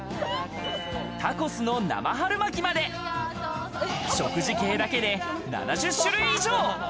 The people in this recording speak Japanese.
タコスの生春巻きまで、食事系だけで７０種類以上。